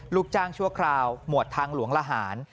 ลูกจ้างชั่วคราวหมวดทางหลวงละหาร